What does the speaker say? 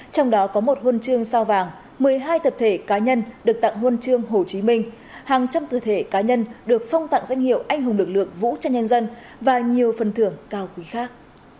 trong đó có một huân chương sao vàng một mươi hai tập thể cá nhân được tặng huân chương hồ chí minh hàng trăm tư thể cá nhân được phong tặng danh hiệu anh hùng lực lượng vũ trang nhân dân và nhiều phần thưởng cao quý khác